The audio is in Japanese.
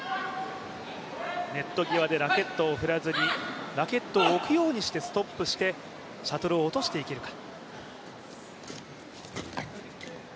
ネット際でラケットを振らずにラケットを置くようにしてストップしてシャトルを落としていけるか。